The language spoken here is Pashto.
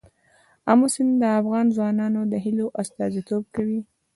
آمو سیند د افغان ځوانانو د هیلو استازیتوب کوي.